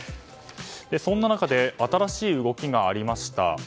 そんな中で新しい動きがありました。